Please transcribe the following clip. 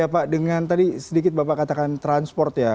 ya pak dengan tadi sedikit bapak katakan transport ya